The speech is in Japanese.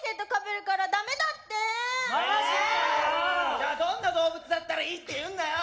じゃあどんな動物だったらいいって言うんだよ！